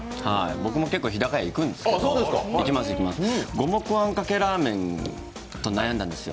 僕も結構、日高屋行くんですけど、五目あんかけラーメンと悩んだんですよ。